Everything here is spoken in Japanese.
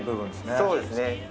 そうですね。